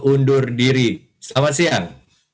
undur diri selamat siang